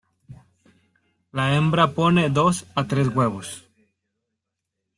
La hembra pone dos a tres huevos.